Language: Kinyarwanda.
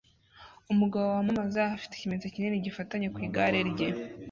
Umugabo yamamaza afite ikimenyetso kinini gifatanye ku igare rye